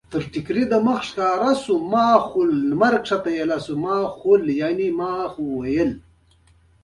فرض کړئ چې یو کارګر د ورځې اته ساعته کار کوي